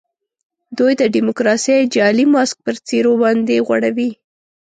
دوی د ډیموکراسۍ جعلي ماسک پر څېرو باندي غوړوي.